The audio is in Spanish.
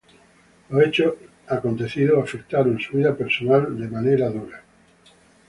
Los hechos acontecidos afectaron su vida personal de manera dura.